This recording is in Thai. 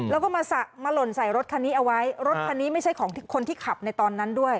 แล้วก็มาหล่นใส่รถคันนี้เอาไว้รถคันนี้ไม่ใช่ของคนที่ขับในตอนนั้นด้วย